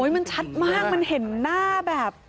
มันชัดมากมันเห็นหน้าแบบ